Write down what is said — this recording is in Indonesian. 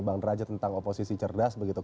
bang derajat tentang oposisi cerdas begitu